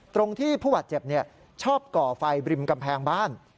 ตรงที่ผู้บาดเจ็บชอบก่อไฟบริมกำแพงบ้าน